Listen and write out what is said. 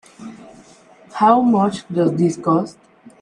How much does this cost?